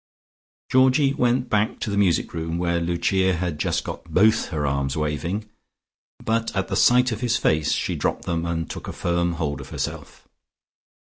Georgie went back to the music room, where Lucia had just got both her arms waving. But at the sight of his face she dropped them and took a firm hold of herself.